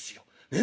え？